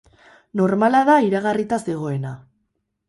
Normala da, iragarrita zegoena.